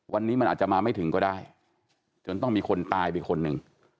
วันนี้มันอาจจะมาไม่ถึงก็ได้จนต้องมีคนตายไปคนหนึ่ง